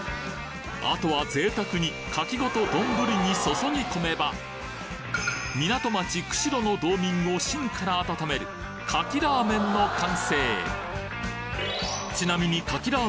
あとは贅沢に牡蠣ごと丼に注ぎ込めば港町釧路の道民を芯から温める牡蠣ラーメンの完成！